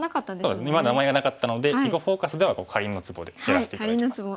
名前がなかったので「囲碁フォーカス」では「カリンのツボ」でやらせて頂きます。